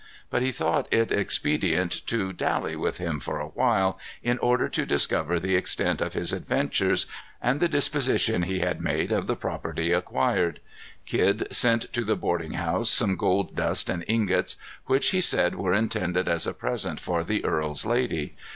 But he thought it expedient to dally with him for a while, in order to discover the extent of his adventures, and the disposition he had made of the property acquired. Kidd sent to the boarding house some gold dust and ingots, which he said were intended as a present for the earl's lady.